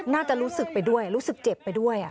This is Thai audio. น่าจะรู้สึกไปด้วยรู้สึกเจ็บไปด้วย